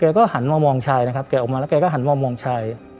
ก็หันมามองชายนะครับแกออกมาแล้วแกก็หันมามองชาย